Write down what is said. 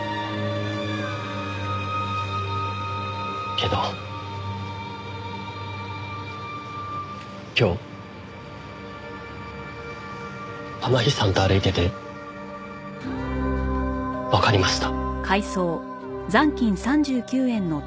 けど今日天樹さんと歩いててわかりました。